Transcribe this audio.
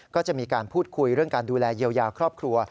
ก็จะมีการพูดคุยเรื่องการดูแลเยียวยาครอบครัว